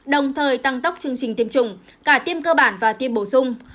đồng thời tăng tốc chương trình tiêm chủng cả tiêm cơ bản và tiêm bổ sung